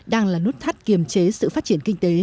đang là nút thắt kiềm chế sự phát triển kinh tế